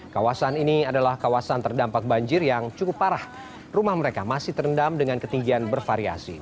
kawasan ini adalah kawasan terdampak banjir yang cukup parah rumah mereka masih terendam dengan ketinggian bervariasi